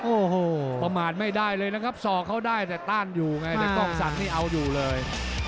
โอ้โหประมาทไม่ได้เลยนะครับสอกเขาได้แต่ต้านอยู่ไงแต่กล้องศักดิ์นี่เอาอยู่เลย